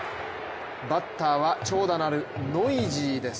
バッターは長打のあるノイジーです。